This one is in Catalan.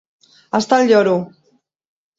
Estar al lloro.